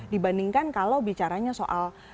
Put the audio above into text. dibandingkan kalau bicaranya soal